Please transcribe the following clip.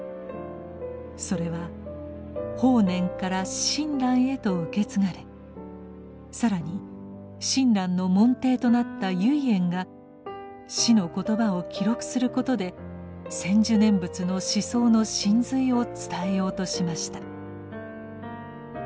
それは法然から親鸞へと受け継がれ更に親鸞の門弟となった唯円が師の言葉を記録することで「専修念仏」の思想の神髄を伝えようとしました。